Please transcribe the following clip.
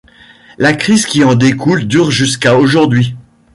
La crise qui en découle dure jusqu'à aujourd'hui.